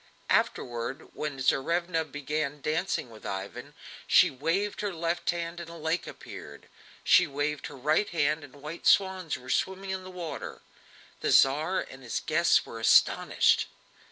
Afterward, when Tsarevna began dancing with Ivan, she waved her left hand and a lake appeared; she waved her right hand and white swans were swimming in the water. The Tsar and his guests were astonished.